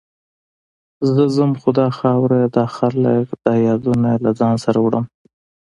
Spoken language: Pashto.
زه ځم، خو دا خاوره، دا خلک، دا یادونه له ځان سره وړم.